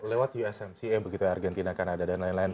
lewat usmca begitu argentina kanada dan lain lain